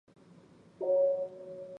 宽头云南鳅为鳅科云南鳅属的鱼类。